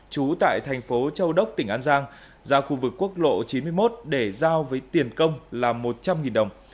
trú tại thành phố châu đốc tỉnh an giang ra khu vực quốc lộ chín mươi một để giao với tiền công là một trăm linh đồng